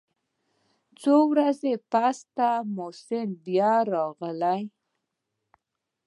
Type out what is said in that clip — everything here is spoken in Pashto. څو ورځې پس ته محسن بيا راغى.